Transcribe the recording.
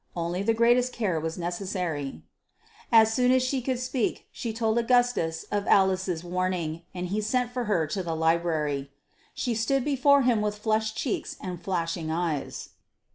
Only the greatest care was necessary. As soon as she could speak, she told Augustus of Alice's warning, and he sent for her to the library. She stood before him with flushed cheeks and flashing eyes.